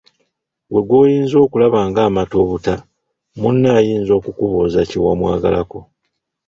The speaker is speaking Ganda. Ggwe gw'oyinza okulaba ng'amata obuta munno ayinza okukubuuza kye wamwagalako.